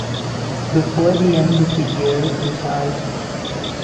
Before the end of the year he died.